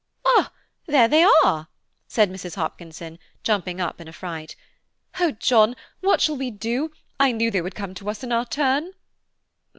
"Ah, there they are," said Mrs. Hopkinson, jumping up in a fright. "Oh, John, what shall we do? I knew they would come to us in our turn."